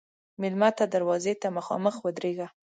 مېلمه ته دروازې ته مخامخ ودریږه.